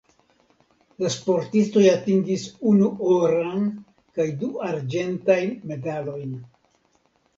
La sportistoj atingis unu oran kaj du arĝentajn medalojn.